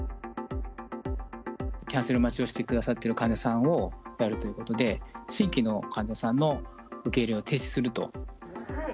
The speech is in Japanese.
キャンセル待ちをしてくださってる患者さんをやるということで、新規の患者さんの受け入れを停止すると。